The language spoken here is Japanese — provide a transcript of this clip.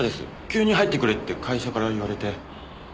急に入ってくれって会社から言われて。